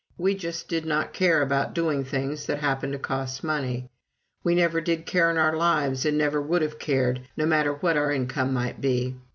We just did not care about doing things that happened to cost money. We never did care in our lives, and never would have cared, no matter what our income might be.